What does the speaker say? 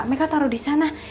mereka taro disana